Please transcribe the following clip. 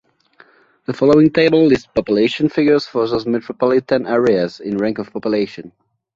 The following table lists population figures for those metropolitan areas, in rank of population.